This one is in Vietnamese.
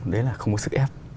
đấy là không có sức ép